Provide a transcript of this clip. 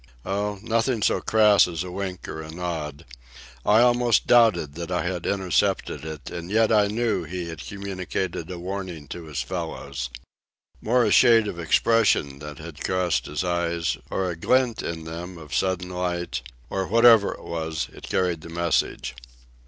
Oh, nothing so crass as a wink or a nod. I almost doubted that I had intercepted it, and yet I knew he had communicated a warning to his fellows. More a shade of expression that had crossed his eyes, or a glint in them of sudden light—or whatever it was, it carried the message.